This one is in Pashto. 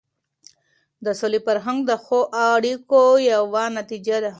د سولې فرهنګ د ښو اړیکو یوه نتیجه ده.